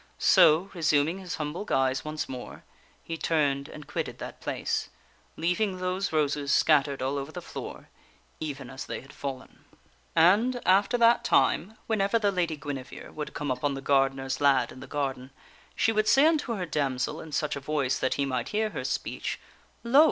So resuming his humble guise once more, he turned and quitted that place, leaving those roses scattered all over the floor even as they had fallen. And after that time, whenever the Lady Guinevere would come upon the gardener's lad in the garden, she would say unto her damsel in such a voice that he might hear her speech: "Lo!